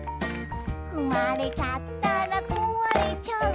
「ふまれちゃったらこわれちゃう」